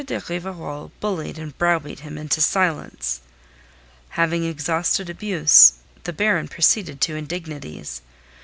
de Rivarol bullied and browbeat him into silence. Having exhausted abuse, the Baron proceeded to indignities.